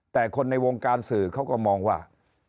แต่คนในวงการสื่อเขาก็มองว่า